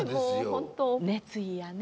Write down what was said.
熱意やね